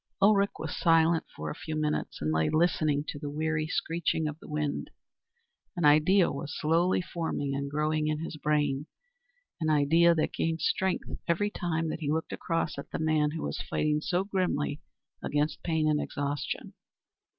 Ulrich was silent for a few minutes, and lay listening to the weary screeching of the wind. An idea was slowly forming and growing in his brain, an idea that gained strength every time that he looked across at the man who was fighting so grimly against pain and exhaustion.